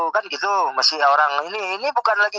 kan gitu masih orang ini